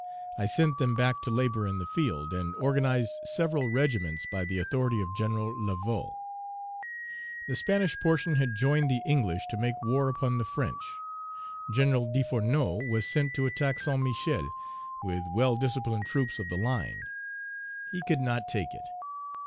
I sent them back to labor in the field, and organized several regiments, by the authority of Gen. Laveaux. The Spanish portion had joined the English to make war upon the French. Gen. Desfourneaux was sent to attack Saint Michel with well disciplined troops of the line; he could not take it.